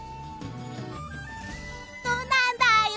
そうなんだよ。